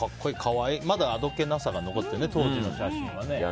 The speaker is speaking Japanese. まだあどけなさが残っててね当時の写真は。